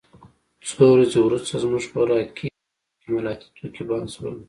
څو ورځې وروسته زموږ خوراکي او اکمالاتي توکي بند شول